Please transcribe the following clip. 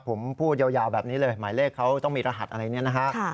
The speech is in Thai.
ผมพูดยาวแบบนี้เลยหมายเลขเขาต้องมีรหัสอะไรเนี่ยนะฮะ